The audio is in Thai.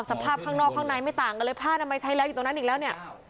ข้างนอกข้างในไม่ต่างกันเลยผ้านามัยใช้แล้วอยู่ตรงนั้นอีกแล้วเนี่ย